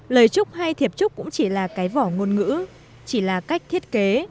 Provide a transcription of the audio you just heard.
lời chúc hay thiệp trúc cũng chỉ là cái vỏ ngôn ngữ chỉ là cách thiết kế